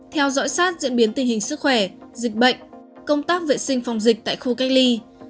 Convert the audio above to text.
theo dõi sát diễn biến tình hình sức khỏe dịch bệnh công tác vệ sinh phòng dịch tại khu cách ly